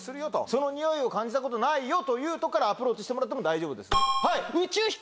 そのにおいを感じたことないよというとこからアプローチしてもらっても大丈夫。